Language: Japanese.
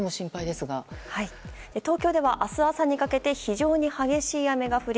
東京では明日朝にかけて非常に激しい雨が降り